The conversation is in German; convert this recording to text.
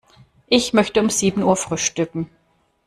Ich möchte um sieben Uhr frühstücken.